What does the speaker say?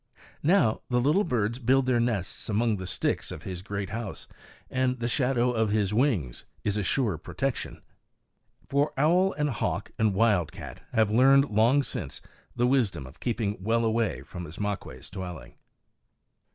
Now the little birds build their nests among the sticks of his great house, and the shadow of his wings is a sure protection. For owl and hawk and wild cat have learned long since the wisdom of keeping well away from Ismaques' dwelling.